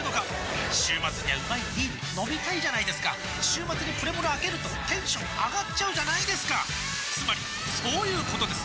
週末にはうまいビール飲みたいじゃないですか週末にプレモルあけるとテンション上がっちゃうじゃないですかつまりそういうことです！